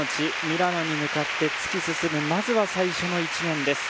ミラノに向かって突き進むまずは最初の１年です